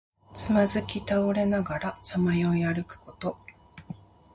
つまずき倒れながらさまよい歩くこと。